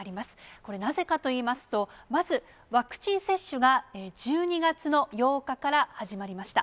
これ、なぜかといいますと、まずワクチン接種が１２月の８日から始まりました。